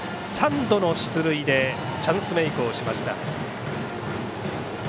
３度の出塁でチャンスメイクをしました。